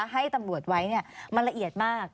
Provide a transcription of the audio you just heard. ให้ตำรวจไว้มันละเอียดมาก